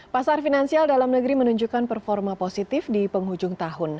pasar finansial dalam negeri menunjukkan performa positif di penghujung tahun